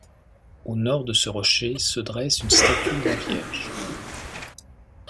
Au nord de ce rocher se dresse une statue de la vierge.